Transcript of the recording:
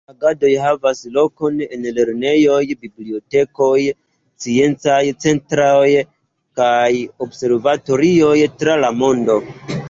Ŝiaj agadoj havas lokon en lernejoj, bibliotekoj, sciencaj centroj kaj observatorioj tra la mondo.